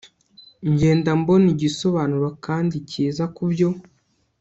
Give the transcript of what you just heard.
ngenda mbona igisobanuro kandi kiza kubyo